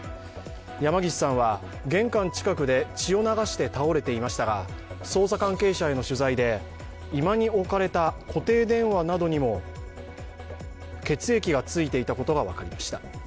山岸さんは玄関近くで血を流して倒れていましたが捜査関係者への取材で、居間に置かれた固定電話などにも血液がついていたことが分かりました。